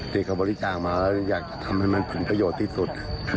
ที่เขาบริจาคมาแล้วอยากทำให้มันถึงประโยชน์ที่สุด